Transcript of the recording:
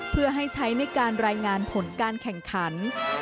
เพื่อให้ใช้ในการรายงานผลการแข่งขัน